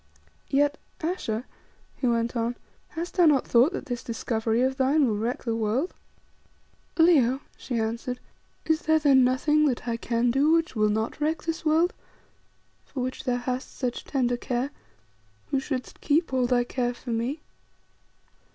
"Yet, Ayesha," he went on, "hast thou thought that this discovery of thine will wreck the world?" "Leo," she answered, "is there then nothing that I can do which will not wreck this world, for which thou hast such tender care, who shouldst keep all thy care for me?"